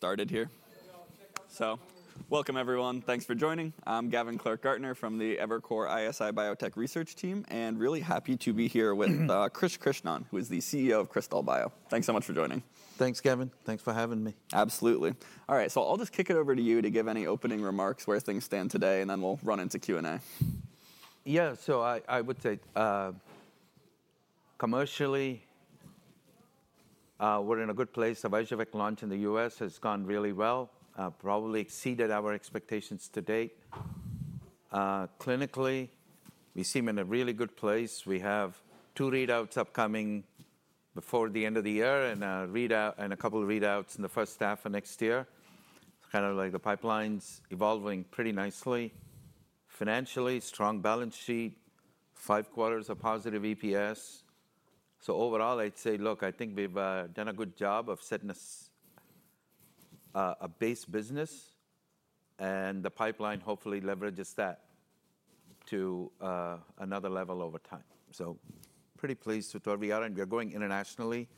Started here. So welcome, everyone. Thanks for joining. I'm Gavin Clark-Gartner from the Evercore ISI Biotech Research team, and really happy to be here with Krish Krishnan, who is the CEO of Krystal Biotech. Thanks so much for joining. Thanks, Gavin. Thanks for having me. Absolutely. All right, so I'll just kick it over to you to give any opening remarks where things stand today, and then we'll run into Q&A. Yeah, so I would say, commercially, we're in a good place. The Vyjuvek launch in the US has gone really well, probably exceeded our expectations to date. Clinically, we seem in a really good place. We have two readouts upcoming before the end of the year and a readout and a couple of readouts in the first half of next year. It's kind of like the pipeline's evolving pretty nicely. Financially, strong balance sheet, Q5 of positive EPS. So overall, I'd say, look, I think we've done a good job of setting a base business, and the pipeline hopefully leverages that to another level over time. So pretty pleased with where we are, and we're going internationally,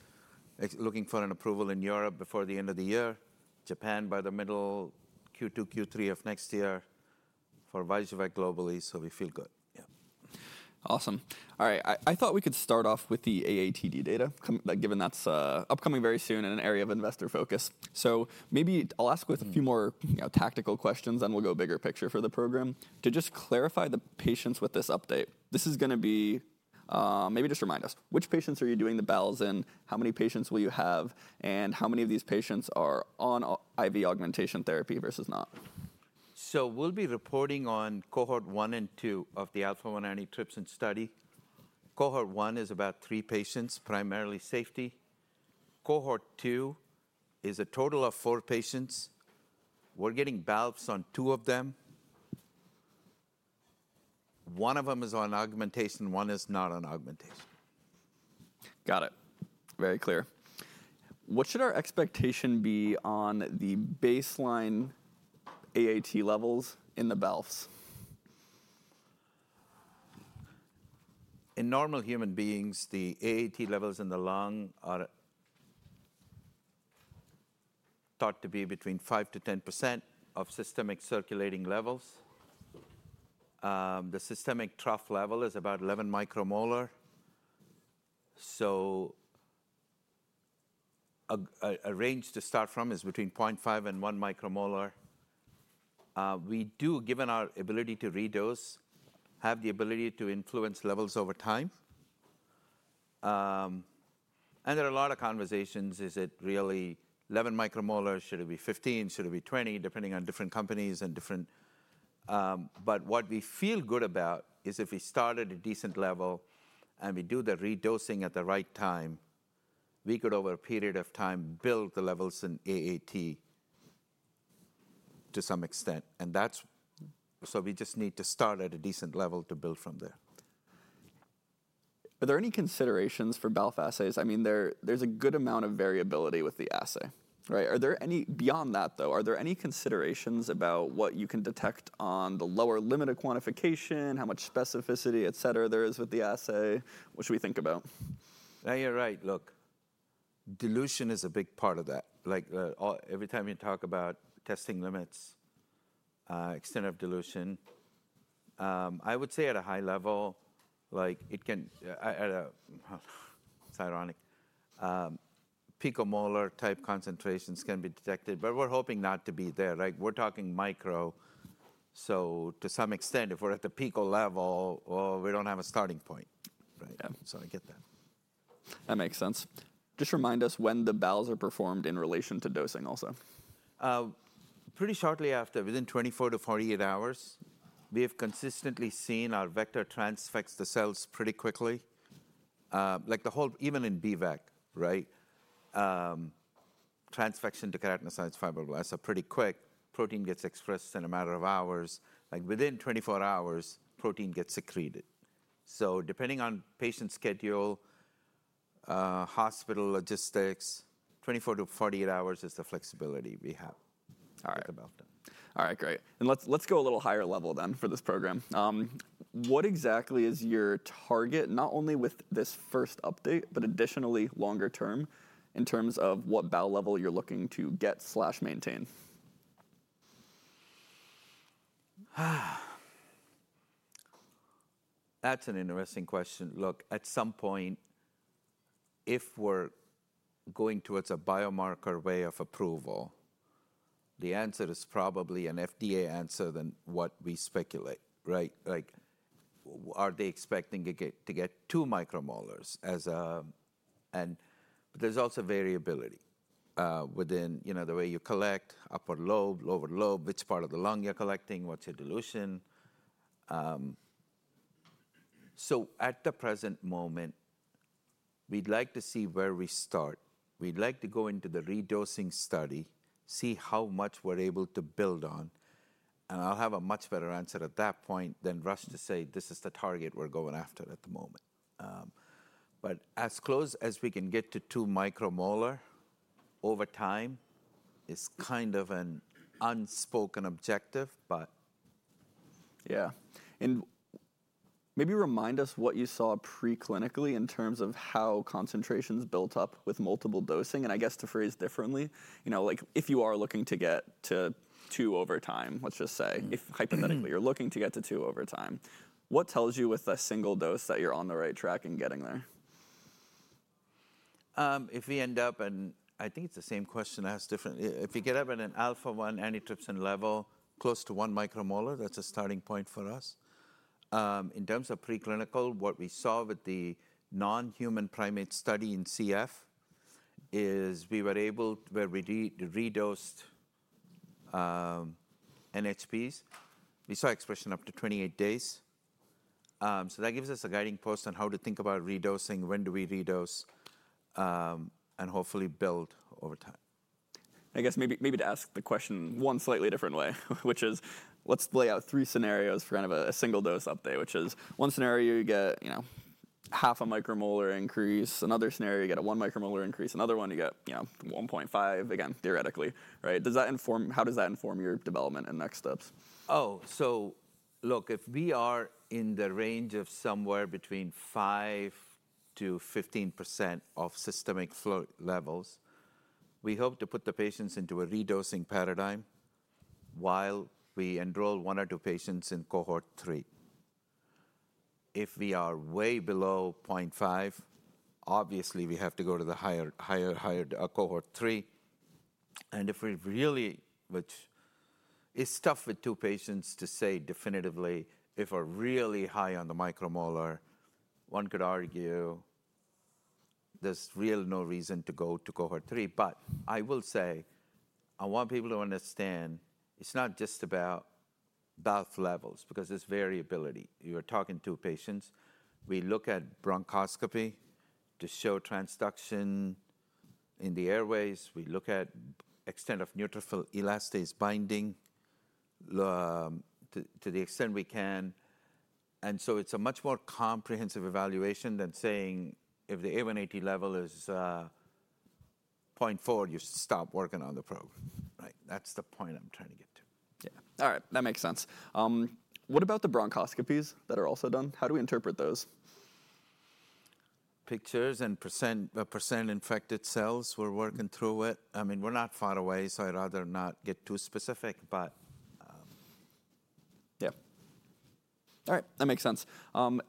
looking for an approval in Europe before the end of the year, Japan by the middle Q2, Q3 of next year for Vyjuvek globally, so we feel good. Yeah. Awesome. All right, I thought we could start off with the AATD data, given that's upcoming very soon in an area of investor focus. So maybe I'll ask with a few more tactical questions, then we'll go bigger picture for the program. To just clarify the patients with this update, this is going to be. Maybe just remind us, which patients are you doing the BALs in, how many patients will you have, and how many of these patients are on IV augmentation therapy versus not? So we'll be reporting on cohort one and two of the Alpha-1 antitrypsin study. Cohort one is about three patients, primarily safety. Cohort two is a total of four patients. We're getting BALs on two of them. One of them is on augmentation, one is not on augmentation. Got it. Very clear. What should our expectation be on the baseline AAT levels in the BAL? In normal human beings, the AAT levels in the lung are thought to be between 5%-10% of systemic circulating levels. The systemic trough level is about 11 micromolar. So a range to start from is between 0.5 and 1 micromolar. We do, given our ability to redose, have the ability to influence levels over time. And there are a lot of conversations: is it really 11 micromolars, should it be 15, should it be 20, depending on different companies and different. But what we feel good about is if we start at a decent level and we do the redosing at the right time, we could, over a period of time, build the levels in AAT to some extent. And that's so we just need to start at a decent level to build from there. Are there any considerations for BAL factors? I mean, there's a good amount of variability with the assay, right? Are there any beyond that, though? Are there any considerations about what you can detect on the lower limit of quantification, how much specificity, et cetera, there is with the assay? What should we think about? Yeah, you're right. Look, dilution is a big part of that. Like every time you talk about testing limits, extent of dilution, I would say at a high level, like it can, it's ironic. Picomolar type concentrations can be detected, but we're hoping not to be there. We're talking micro. So to some extent, if we're at the pico level, we don't have a starting point, right? So I get that. That makes sense. Just remind us when the BALs are performed in relation to dosing also. Pretty shortly after, within 24 to 48 hours, we have consistently seen our vector transduce the cells pretty quickly. Like the whole, even in B-VEC, right? Transduction into keratinocytes fibroblasts are pretty quick. Protein gets expressed in a matter of hours. Like within 24 hours, protein gets secreted. So depending on patient schedule, hospital logistics, 24 to 48 hours is the flexibility we have to talk about that. All right. All right, great. And let's go a little higher level then for this program. What exactly is your target, not only with this first update, but additionally longer term in terms of what BAL level you're looking to get/maintain? That's an interesting question. Look, at some point, if we're going towards a biomarker way of approval, the answer is probably an FDA answer than what we speculate, right? Like are they expecting to get two micromolar as a and there's also variability within the way you collect, upper lobe, lower lobe, which part of the lung you're collecting, what's your dilution. So at the present moment, we'd like to see where we start. We'd like to go into the redosing study, see how much we're able to build on. And I'll have a much better answer at that point than rush to say, this is the target we're going after at the moment. But as close as we can get to two micromolar over time is kind of an unspoken objective, but. Yeah. And maybe remind us what you saw preclinically in terms of how concentrations built up with multiple dosing. And I guess to phrase differently, like if you are looking to get to two over time, let's just say, hypothetically, you're looking to get to two over time, what tells you with a single dose that you're on the right track and getting there? If we end up, and I think it's the same question asked differently. If you get up at an alpha-1 antitrypsin level close to one micromolar, that's a starting point for us. In terms of preclinical, what we saw with the non-human primate study in CF is we were able, where we redosed NHPs, we saw expression up to 28 days. So that gives us a guiding post on how to think about redosing, when do we redose, and hopefully build over time. I guess maybe to ask the question one slightly different way, which is, let's lay out three scenarios for kind of a single dose update, which is one scenario you get half a micromolar increase, another scenario you get a one micromolar increase, another one you get 1.5, again, theoretically, right? How does that inform your development and next steps? Oh, so look, if we are in the range of somewhere between 5%-15% of systemic levels, we hope to put the patients into a redosing paradigm while we enroll one or two patients in cohort three. If we are way below 0.5, obviously we have to go to the higher, higher, higher cohort three. If we really, which is tough with two patients to say definitively if we're really high on the micromolar, one could argue there's really no reason to go to cohort three. I will say, I want people to understand it's not just about BAL levels because there's variability. You are talking to patients. We look at bronchoscopy to show transduction in the airways. We look at extent of neutrophil elastase binding to the extent we can. And so it's a much more comprehensive evaluation than saying if the AAT level is 0.4, you stop working on the program, right? That's the point I'm trying to get to. Yeah. All right, that makes sense. What about the bronchoscopies that are also done? How do we interpret those? Pictures and % infected cells, we're working through it. I mean, we're not far away, so I'd rather not get too specific, but yeah. All right, that makes sense.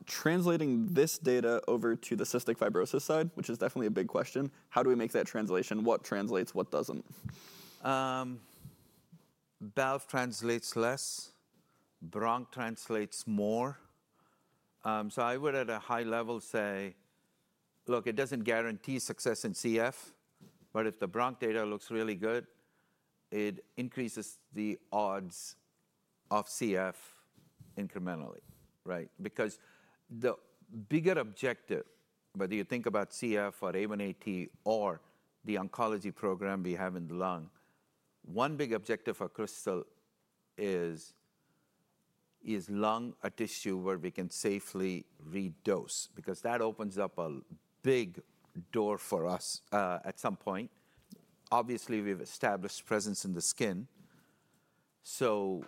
Translating this data over to the Cystic Fibrosis side, which is definitely a big question, how do we make that translation? What translates, what doesn't? BAL translates less, bronch translates more. So I would, at a high level, say, look, it doesn't guarantee success in CF, but if the bronch data looks really good, it increases the odds of CF incrementally, right? Because the bigger objective, whether you think about CF or AAT or the oncology program we have in the lung, one big objective for Krystal is lung as a tissue where we can safely redose because that opens up a big door for us at some point. Obviously, we've established presence in the skin. So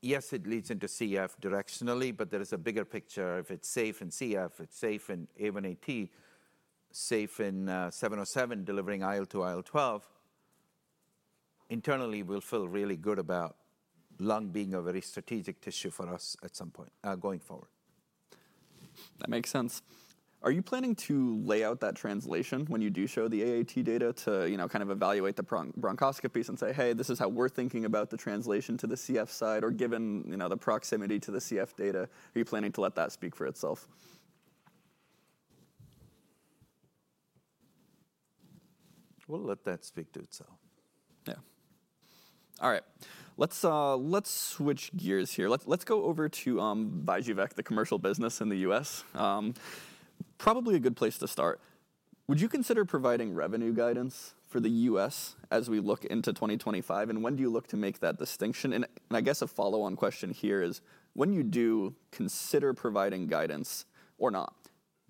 yes, it leads into CF directionally, but there is a bigger picture. If it's safe in CF, it's safe in AAT, safe in 707 delivering IL-2, IL-12. Internally, we'll feel really good about lung being a very strategic tissue for us at some point going forward. That makes sense. Are you planning to lay out that translation when you do show the AAT data to kind of evaluate the bronchoscopies and say, hey, this is how we're thinking about the translation to the CF side or given the proximity to the CF data, are you planning to let that speak for itself? We'll let that speak to itself. Yeah. All right, let's switch gears here. Let's go over to Vyjuvek, the commercial business in the US. Probably a good place to start. Would you consider providing revenue guidance for the US as we look into 2025? And when do you look to make that distinction? And I guess a follow-on question here is, when you do consider providing guidance or not,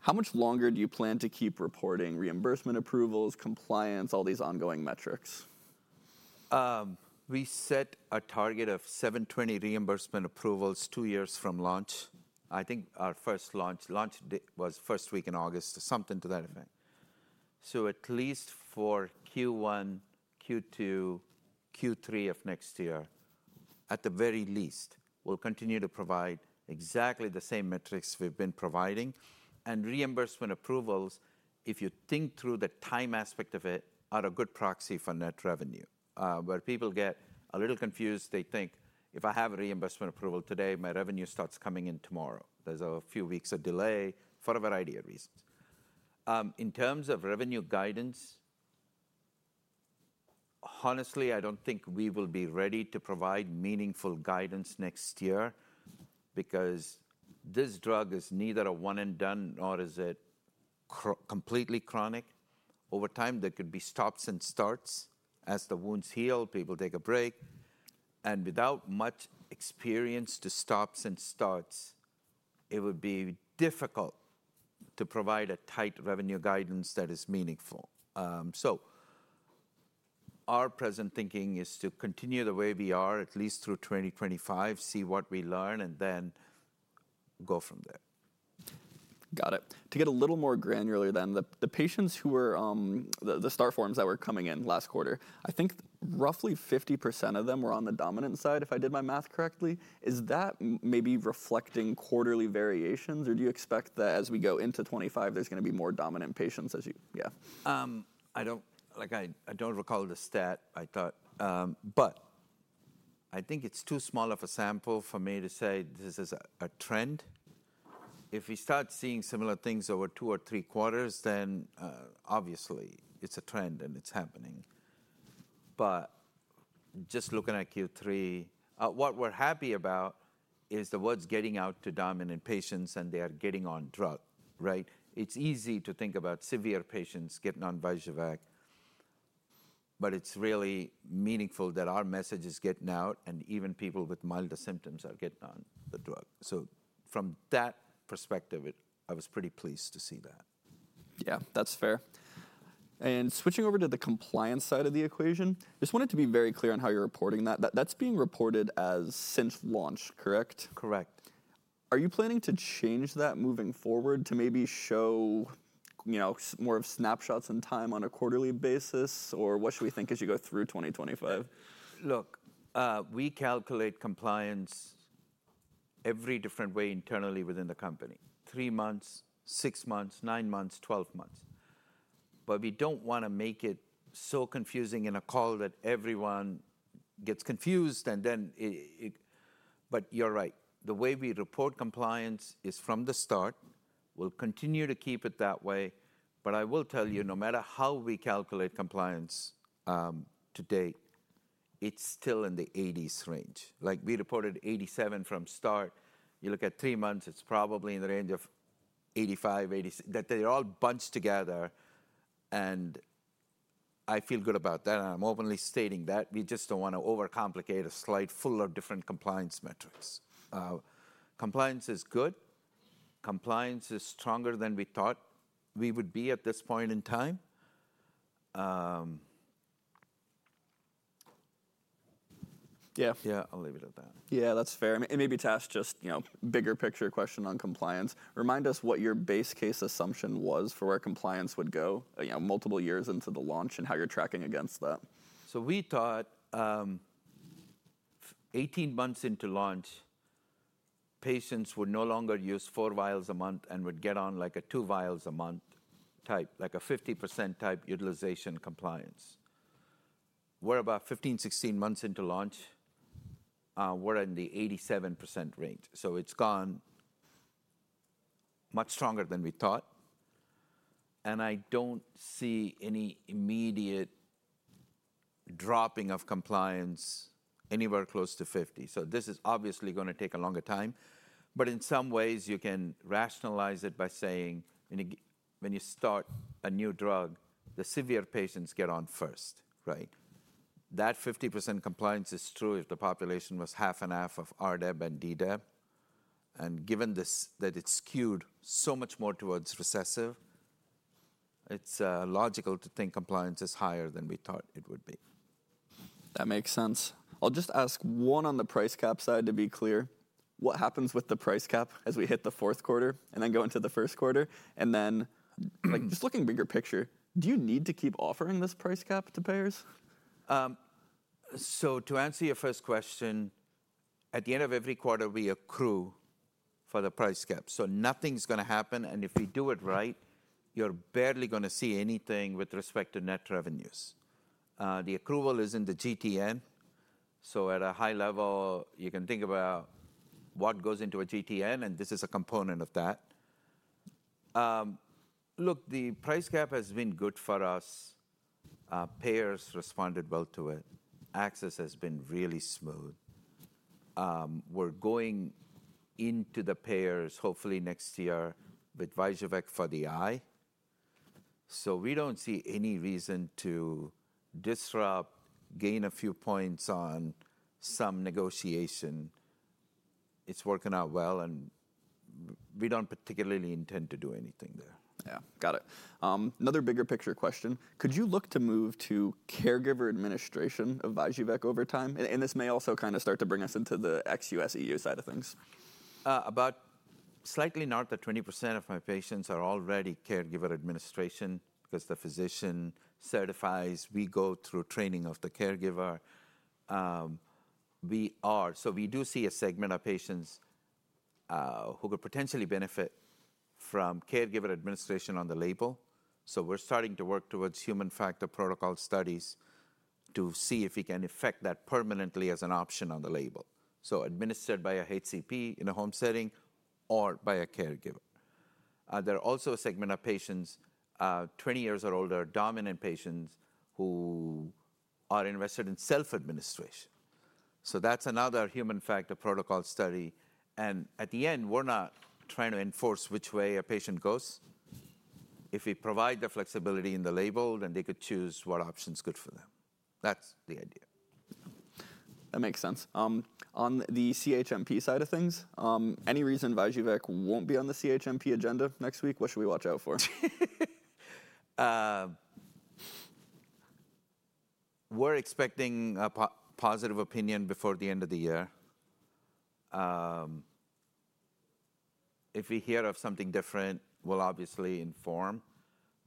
how much longer do you plan to keep reporting reimbursement approvals, compliance, all these ongoing metrics? We set a target of 720 reimbursement approvals two years from launch. I think our first launch was first week in August, something to that effect. So at least for Q1, Q2, Q3 of next year, at the very least, we'll continue to provide exactly the same metrics we've been providing, and reimbursement approvals, if you think through the time aspect of it, are a good proxy for net revenue. Where people get a little confused, they think, if I have a reimbursement approval today, my revenue starts coming in tomorrow. There's a few weeks of delay for a variety of reasons. In terms of revenue guidance, honestly, I don't think we will be ready to provide meaningful guidance next year because this drug is neither a one-and-done nor is it completely chronic. Over time, there could be stops and starts. As the wounds heal, people take a break. Without much experience to stops and starts, it would be difficult to provide a tight revenue guidance that is meaningful. Our present thinking is to continue the way we are, at least through 2025, see what we learn, and then go from there. Got it. To get a little more granular then, the patients who were the Start forms that were coming in last quarter, I think roughly 50% of them were on the dominant side, if I did my math correctly. Is that maybe reflecting quarterly variations, or do you expect that as we go into 2025, there's going to be more dominant patients as you yeah? I don't recall the stat, but I think it's too small of a sample for me to say this is a trend. If we start seeing similar things over Q2,3, then obviously it's a trend and it's happening. But just looking at Q3, what we're happy about is the word getting out to dominant patients and they are getting on drug, right? It's easy to think about severe patients getting on Vyjuvek, but it's really meaningful that our message is getting out and even people with milder symptoms are getting on the drug. So from that perspective, I was pretty pleased to see that. Yeah, that's fair. And switching over to the compliance side of the equation, just wanted to be very clear on how you're reporting that. That's being reported as since launch, correct? Correct. Are you planning to change that moving forward to maybe show more of snapshots in time on a quarterly basis, or what should we think as you go through 2025? Look, we calculate compliance every different way internally within the company: three months, six months, nine months, twelve months. But we don't want to make it so confusing in a call that everyone gets confused and then, but you're right. The way we report compliance is from the start. We'll continue to keep it that way. But I will tell you, no matter how we calculate compliance to date, it's still in the 80s% range. Like we reported 87% from start. You look at three months, it's probably in the range of 85-86%, that they're all bunched together. And I feel good about that. And I'm openly stating that we just don't want to overcomplicate a slide full of different compliance metrics. Compliance is good. Compliance is stronger than we thought we would be at this point in time. Yeah. Yeah, I'll leave it at that. Yeah, that's fair. It may be to ask just a bigger picture question on compliance. Remind us what your base case assumption was for where compliance would go multiple years into the launch and how you're tracking against that. So we thought 18 months into launch, patients would no longer use four vials a month and would get on like a two vials a month type, like a 50% type utilization compliance. We're about 15-16 months into launch, we're in the 87% range. So it's gone much stronger than we thought. And I don't see any immediate dropping of compliance anywhere close to 50. So this is obviously going to take a longer time. But in some ways, you can rationalize it by saying when you start a new drug, the severe patients get on first, right? That 50% compliance is true if the population was half and half of RDEB and DDEB. And given that it's skewed so much more towards recessive, it's logical to think compliance is higher than we thought it would be. That makes sense. I'll just ask one on the price cap side to be clear. What happens with the price cap as we hit the Q4 and then go into the first Q1? And then just looking bigger picture, do you need to keep offering this price cap to payers? To answer your first question, at the end of every quarter, we accrue for the price cap. Nothing's going to happen. If we do it right, you're barely going to see anything with respect to net revenues. The accrual is in the GTN. At a high level, you can think about what goes into a GTN, and this is a component of that. Look, the price cap has been good for us. Payers responded well to it. Access has been really smooth. We're going into the payers hopefully next year with Vyjuvek for the eye. We don't see any reason to disrupt, gain a few points on some negotiation. It's working out well, and we don't particularly intend to do anything there. Yeah, got it. Another bigger picture question. Could you look to move to caregiver administration of Vyjuvek over time? And this may also kind of start to bring us into the ex-US, EU side of things. About slightly north of 20% of my patients are already caregiver administration because the physician certifies. We go through training of the caregiver, so we do see a segment of patients who could potentially benefit from caregiver administration on the label. We're starting to work towards human factors protocol studies to see if we can affect that permanently as an option on the label, so administered by a HCP in a home setting or by a caregiver. There are also a segment of patients 20 years or older, dominant patients who are invested in self-administration, so that's another human factors protocol study. At the end, we're not trying to enforce which way a patient goes. If we provide the flexibility in the label, then they could choose what option's good for them. That's the idea. That makes sense. On the CHMP side of things, any reason Vyjuvek won't be on the CHMP agenda next week? What should we watch out for? We're expecting a positive opinion before the end of the year. If we hear of something different, we'll obviously inform.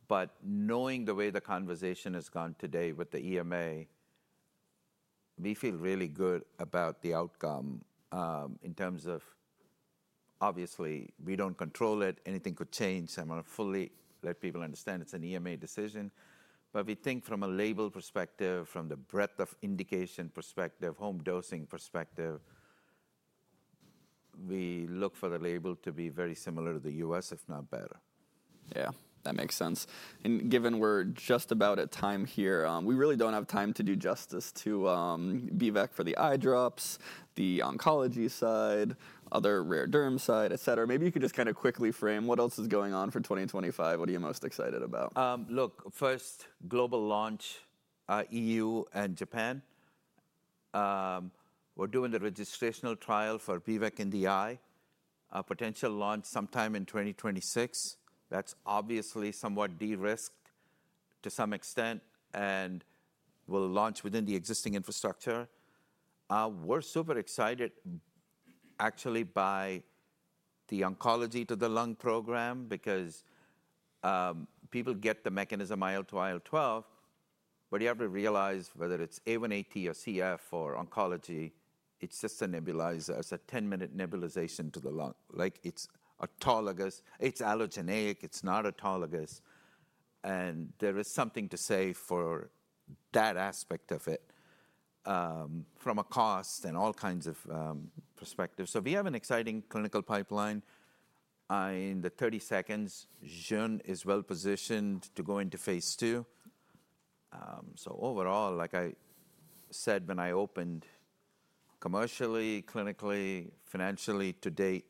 But knowing the way the conversation has gone today with the EMA, we feel really good about the outcome in terms of obviously, we don't control it. Anything could change. I want to fully let people understand it's an EMA decision. But we think from a label perspective, from the breadth of indication perspective, home dosing perspective, we look for the label to be very similar to the US, if not better. Yeah, that makes sense. And given we're just about at time here, we really don't have time to do justice to B-VEC for the eye drops, the oncology side, other rare derm side, et cetera. Maybe you could just kind of quickly frame what else is going on for 2025. What are you most excited about? Look, first, global launch, EU and Japan. We're doing the registrational trial for B-VEC in the eye, potential launch sometime in 2026. That's obviously somewhat de-risked to some extent and will launch within the existing infrastructure. We're super excited actually by the oncology to the lung program because people get the mechanism IL-2, IL-12, but you have to realize whether it's AAT or CF or oncology, it's just a nebulizer, it's a 10-minute nebulization to the lung. It's autologous, it's allogeneic, it's not autologous. And there is something to say for that aspect of it from a cost and all kinds of perspectives. So we have an exciting clinical pipeline. In the 30 seconds, one is well positioned to go into phase two. So overall, like I said when I opened, commercially, clinically, financially to date,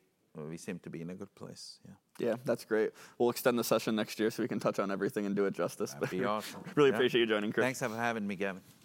we seem to be in a good place. Yeah. Yeah, that's great. We'll extend the session next year so we can touch on everything and do it justice. That'd be awesome. Really appreciate you joining, Krish. Thanks for having me, Gavin.